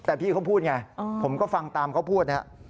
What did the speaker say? แต่พี่เขาพูดไงผมก็ฟังตามเขาพูดนะ